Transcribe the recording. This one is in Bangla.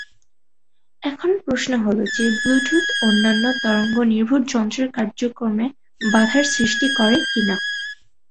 এখন প্রশ্ন হল যে ব্লুটুথ অন্যান্য তরঙ্গ নির্ভর যন্ত্রের কার্যক্রমে বাধার সৃষ্টি করে কিনা?